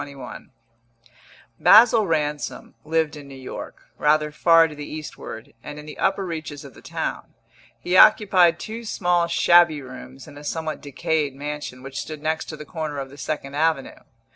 BOOK SECOND XXI Basil Ransom lived in New York, rather far to the eastward, and in the upper reaches of the town; he occupied two small shabby rooms in a somewhat decayed mansion which stood next to the corner of the Second Avenue.